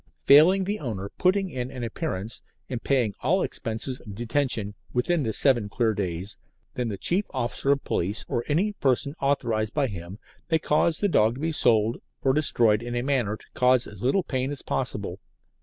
Failing the owner putting in an appearance and paying all expenses of detention within the seven clear days, then the chief officer of police or any person authorised by him may cause the dog to be sold, or destroyed in a manner to cause as little pain as possible.